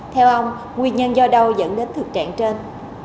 theo ông nguyên nhân do đâu dẫn đến thực trạng trên